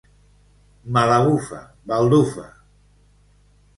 Me la bufa, baldufa!